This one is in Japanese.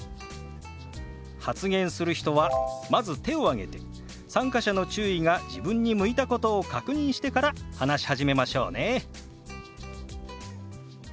発言する人はまず手を挙げて参加者の注意が自分に向いたことを確認してから話し始めましょうね。